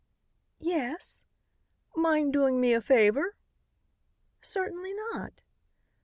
"Yes." "Mind doing me a favor?" "Certainly not."